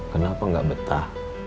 kenapa gak betah